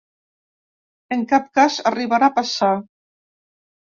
En cap cas arribarà a passar.